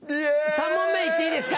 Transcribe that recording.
３問目行っていいですか？